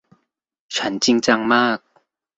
ฉันจริงจังมาก